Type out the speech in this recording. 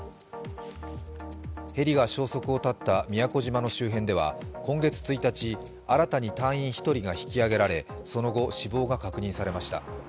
ヘリが消息を絶った宮古島の周辺では今月１日、新たに隊員１人が引き揚げられ、その後、死亡が確認されました。